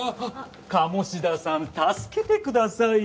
鴨志田さん助けてくださいよ。